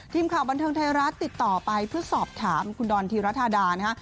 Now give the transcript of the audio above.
ทีมข่าวบันเทิงไทยรัฐติดต่อไปเพื่อสอบถามคุณดอนธีรธาดานะฮะ